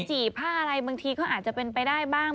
เป็นภาษาจีบภาษาอะไรบางทีเขาอาจจะเป็นไปได้บ้าง